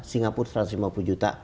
singapura satu ratus lima puluh juta